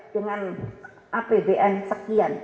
dengan apbn sekian